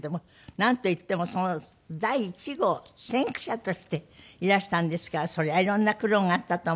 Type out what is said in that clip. なんといってもその第１号先駆者としていらしたんですからそりゃ色んな苦労があったと思います。